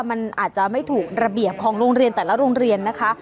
มันอาจจะไม่ถูกระเบียบของโรงเรียนแต่ละโรงเรียนนะคะ